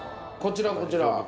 こちらこちら。